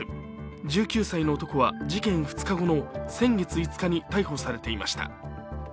１９歳の男は事件２日後の先月５日に逮捕されていました。